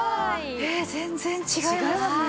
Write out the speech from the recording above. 全然違いますね。